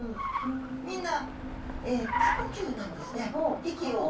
みんな過呼吸なんですね。